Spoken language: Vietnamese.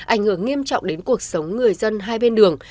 ảnh hưởng nghiêm trọng đến cuộc sống người dân hai bên đường